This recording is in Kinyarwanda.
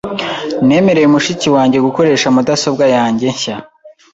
Nemereye mushiki wanjye gukoresha mudasobwa yanjye nshya .